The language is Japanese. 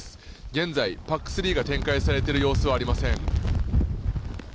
現在、ＰＡＣ３が展開されている様子はありません。